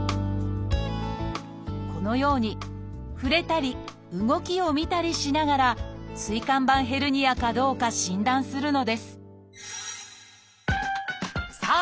このように触れたり動きを見たりしながら椎間板ヘルニアかどうか診断するのですさあ